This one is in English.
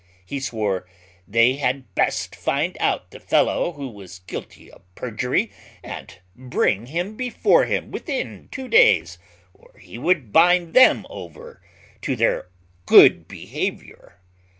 He swore, "They had best find out the fellow who was guilty of perjury, and bring him before him within two days, or he would bind them all over to their good behaviour."